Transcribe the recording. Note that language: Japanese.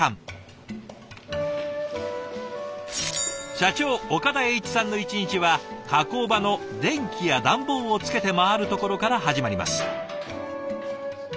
社長岡田栄一さんの一日は加工場の電気や暖房をつけて回るところから始まります。